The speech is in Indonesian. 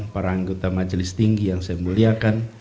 para anggota majelis tinggi yang saya muliakan